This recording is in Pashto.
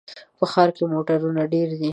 په ښار کې موټرونه ډېر دي.